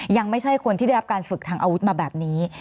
ยังไม่ใช่คนที่ได้รับการฝึกทางอาวุธมาแบบนี้